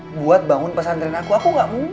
ibu bisa dua pergi ke rumah lagi sekarang